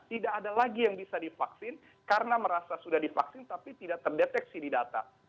tidak ada lagi yang bisa divaksin karena merasa sudah divaksin tapi tidak terdeteksi di data